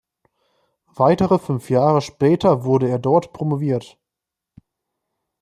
Weitere fünf Jahre später wurde er dort promoviert.